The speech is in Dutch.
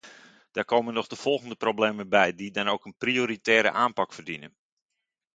Daar komen nog de volgende problemen bij, die dan ook een prioritaire aanpak verdienen.